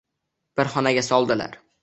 Bir xonaga soldilar.